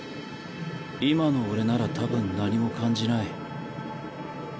今の俺ならたぶん何も感じない。